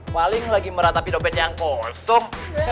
paling lagi meratapi dompet yang kosong